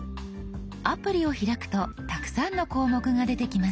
アプリを開くとたくさんの項目が出てきます。